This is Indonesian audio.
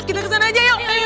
kita kesana aja yuk